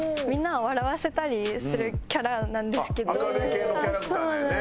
明るい系のキャラクターなんやね。